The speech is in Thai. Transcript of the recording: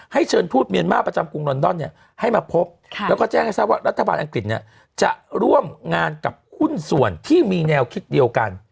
เชิญทูตเมียนมาร์ประจำกรุงลอนดอนให้มาพบแล้วก็แจ้งให้ทราบว่ารัฐบาลอังกฤษเนี่ยจะร่วมงานกับหุ้นส่วนที่มีแนวคิดเดียวกัน